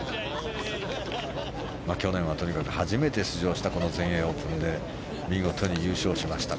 去年はとにかく初めて出場した全英オープンで見事に優勝しました。